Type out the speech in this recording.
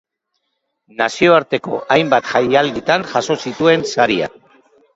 Nazioarteko hainbat jaialditan jaso zituen sariak.